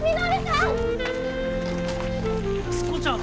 安子ちゃん。